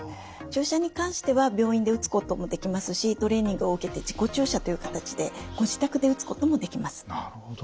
注射に関しては病院で打つこともできますしトレーニングを受けて自己注射という形でご自宅で打つこともできます。